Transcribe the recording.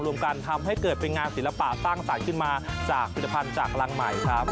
รวมกันทำให้เกิดเป็นงานศิลปะตั้งสรรค์ขึ้นมาจากผลิตภัณฑ์จากรังใหม่ครับ